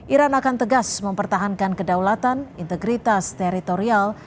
iran akan tegas mempertahankan kedaulatan integritas teritorial